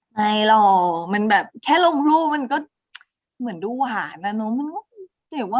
ไม่หรอกแค่ลงรูปมันก็เหมือนดูหวานนะเนอะ